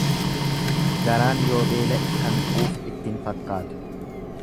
Garaan yoo beela'e kan quufu itti hin fakkaatu.